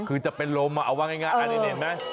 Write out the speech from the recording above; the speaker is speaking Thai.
คือจะเป็นลมอ่ะเอาง่ายอันนี้เหนียดมั้ย